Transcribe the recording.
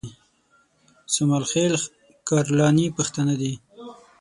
سومل خېل کرلاني پښتانه دي